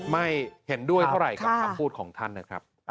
ไม่เห็นด้วยเท่าไหร่กับคำพูดของท่านนะครับ